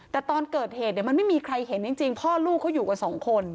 แต่ตอนเกิดเหตุมันไม่มีใครเห็นจริงพ่อลูกเขาอยู่กับสองคน